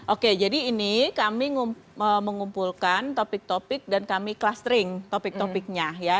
oke jadi ini kami mengumpulkan topik topik dan kami clustering topik topiknya ya